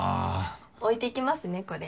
置いていきますねこれ。